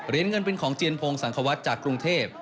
เงินเป็นของเจียนพงศังควัฒน์จากกรุงเทพ